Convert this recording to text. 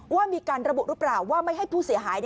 ว่ามีการระบุหรือเปล่าว่าไม่ให้ผู้เสียหาย